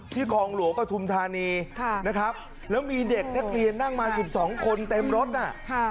คลองหลวงปฐุมธานีนะครับแล้วมีเด็กนักเรียนนั่งมา๑๒คนเต็มรถน่ะ